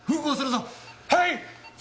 はい！